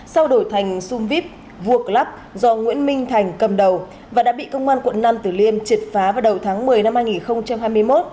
sau đổi thành xung vip vuộc lắp do nguyễn minh thành cầm đầu và đã bị công an quận năm tuyệt liên triệt phá vào đầu tháng một mươi năm hai nghìn hai mươi một